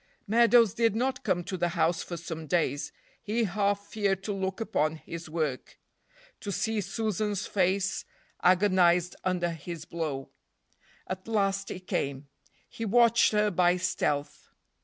Meadows did not come to the house for some days. He half feared to look upon his work; to see Susan's face agonized under his blow. At last he came. He watched her by stealth.